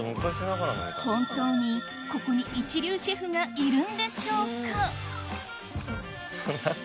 本当にここに一流シェフがいるんでしょうか？